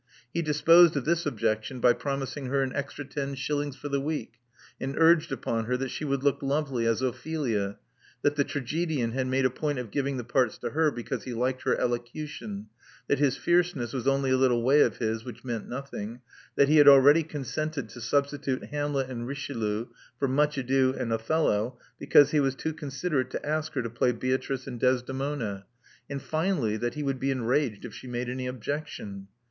He dis posed of this objection by promising her an extra ten shillings for the week, and urged upon her that she would look lovely as Ophelia; that the tragedian had made a point of giving the parts to her because he liked her elocution ; that his fierceness was only a little way of his which meant nothing; that he had already consented to substitute Hamlet and Richelieu for Much Ado and Othello because he was too considerate to ask her to play Beatrice and Desde mona; and, finally, that he would be enraged if she made any objection.